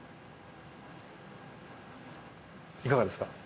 いかがですか？